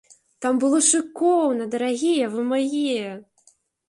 Там было шыкоўна, дарагія вы мае!